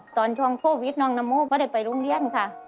ตอนช่วงโควิดน้องน้ำโมก็ได้ไปโรงเรียนค่ะ